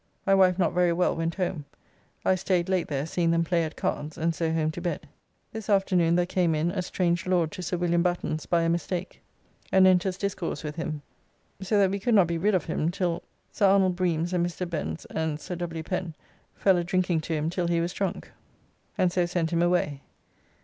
My wife not very well went home, I staid late there seeing them play at cards, and so home to bed. This afternoon there came in a strange lord to Sir William Batten's by a mistake and enters discourse with him, so that we could not be rid of him till Sir Arn. Breames and Mr. Bens and Sir W. Pen fell a drinking to him till he was drunk, and so sent him away.